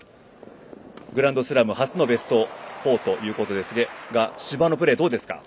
グランドスラム初のベスト４ということですが芝のプレーどうですか？